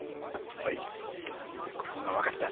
おいなんでここがわかった？